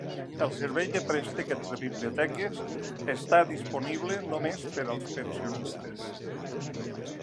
El servei de préstec entre biblioteques està disponible només per als pensionistes.